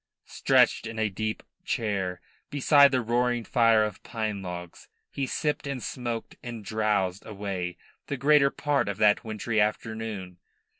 Stretched in a deep chair beside the roaring fire of pine logs, he sipped and smoked and drowsed away the greater par of that wintry afternoon.